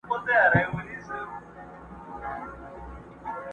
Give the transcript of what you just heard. د ژوندیو په کورونو کي به غم وي.!